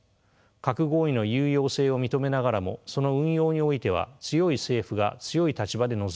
核合意の有用性を認めながらもその運用においては強い政府が強い立場で臨むという姿勢です。